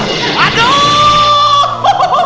udah minum obat pahit